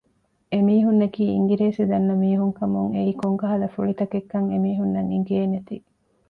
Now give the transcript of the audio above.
އެމީހުންނަކީ އިނގިރޭސި ދަންނަ މީހުން ކަމުން އެއީ ކޮންކަހަލަ ފުޅި ތަކެއްކަން އެމީހުންނަށް އިނގޭނެތީ